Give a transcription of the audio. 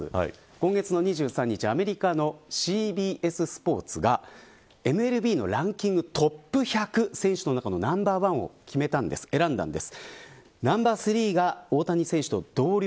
今月２３日アメリカのＣＢＳスポーツがＭＬＢのランキングトップ１００選手の中のナンバーワンを選んだんです。